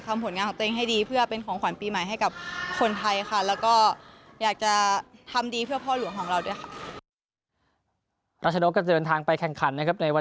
เม้ก็จะพยายามทำผลงานของตัวเองให้ดี